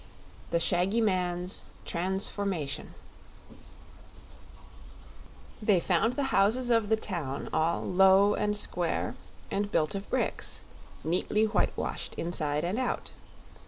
The Shaggy Man's Transformation They found the houses of the town all low and square and built of bricks, neatly whitewashed inside and out.